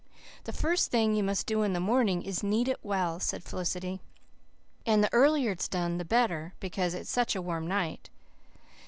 "The first thing you must do in the morning is knead it well," said Felicity, "and the earlier it's done the better because it's such a warm night."